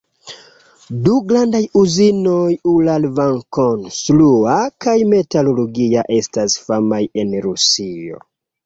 Du grandaj uzinoj—Uralvagonkonstrua kaj Metalurgia estas famaj en Rusio.